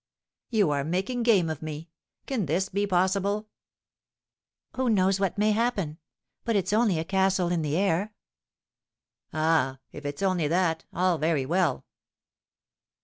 "You are making game of me. Can this be possible?" "Who knows what may happen? But it's only a castle in the air." "Ah, if it's only that, all very well!"